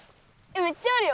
めっちゃあるよ。